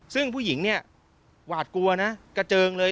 ซึ่งผู้หญิงเนี่ยหวาดกลัวนะกระเจิงเลย